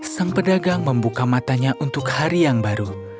sang pedagang membuka matanya untuk hari yang baru